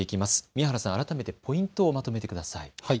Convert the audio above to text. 宮原さん、改めてポイントをまとめてください。